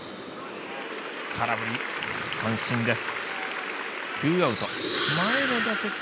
空振り三振です。